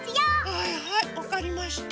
はいはいわかりました。